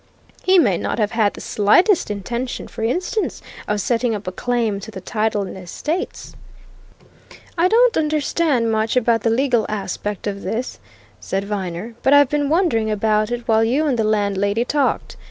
He may not have had the slightest intention, for instance, of setting up a claim to the title and estates." "I don't understand much about the legal aspect of this," said Viner, "but I've been wondering about it while you and the landlady talked.